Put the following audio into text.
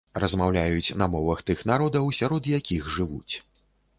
Размаўляюць на мовах тых народаў, сярод якіх жывуць.